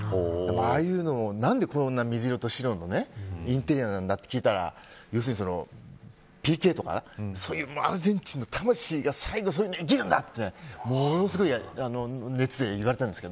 ああいうのも何で、こんなに水色と白のインテリアなんだと聞いたら要するに、ＰＫとかアルゼンチンの魂が最後そういうのに生きるんだとものすごい熱で言われたんですよ。